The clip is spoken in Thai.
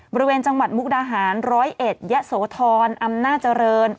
บริเวณจังหวัดมุกดาหาร๑๐๑ยะโสธรอำนาจเจริญ